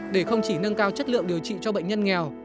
để không chỉ nâng cao chất lượng điều trị cho bệnh nhân nghèo